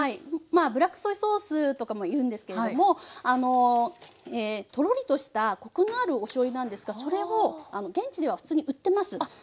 まあブラックソイソースとかもいうんですけれどもトロリとしたコクのあるおしょうゆなんですがそれを現地では普通に売ってます。